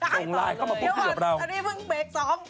ตรงไลน์เข้ามาปุ๊บเกือบเรานี่เพิ่งเบค๒